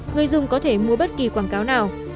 người dùng có thể mua bất kỳ quảng cáo nào